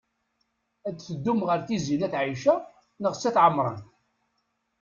Ad teddum ɣer Tizi n at Ɛica neɣ s at Ɛemṛan?